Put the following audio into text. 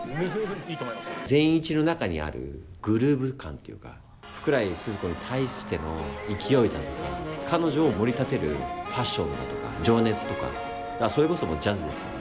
善一の中にあるグルーヴ感というか福来スズ子に対しての勢いだとか彼女をもり立てるパッションだとか情熱とかそれこそジャズですよね